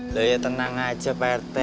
udah ya tenang aja pak rt